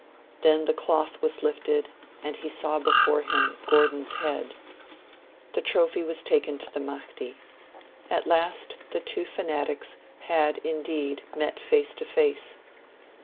Then the cloth was lifted, and he saw before him Gordon's head. The trophy was taken to the Mahdi: at last the two fanatics had indeed met face to face.